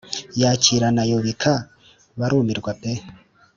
Yakirana yubika, barumirwa pe